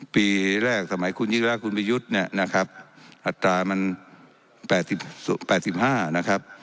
ปีแรกสมัยคุณยิราชคุณประยุทธเนี่ยนะครับอัตรามันแปดสิบแปดสิบห้านะครับ